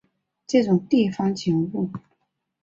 这种地方景物